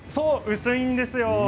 薄いんですよ。